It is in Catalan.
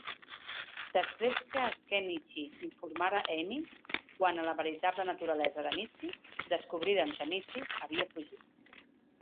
Després que Ken'ichi informara Emmy quant a la veritable naturalesa de Mitchi, descobriren que Michi havia fugit.